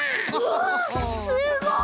わすごい！